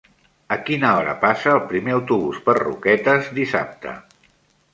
A quina hora passa el primer autobús per Roquetes dissabte?